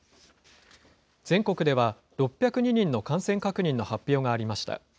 全国では６０２人の感染確認の発表がありました。